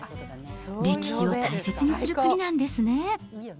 歴史を大切にする国なんですね。